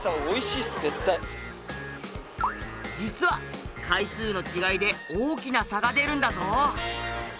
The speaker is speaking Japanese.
実は回数の違いで大きな差が出るんだぞ。